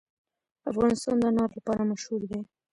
افغانستان د انار لپاره مشهور دی.